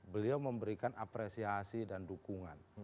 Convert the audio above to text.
beliau memberikan apresiasi dan dukungan